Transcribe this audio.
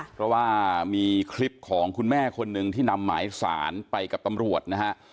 เพราะว่ามีคลิปของคุณแม่คนหนึ่งที่นำหมายสารไปกับตำรวจนะฮะ